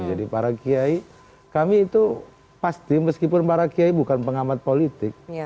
jadi para kiai kami itu pasti meskipun para kiai bukan pengamat politik